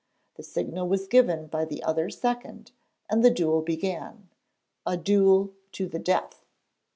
The signal was given by the other second, and the duel began a duel 'to the death.'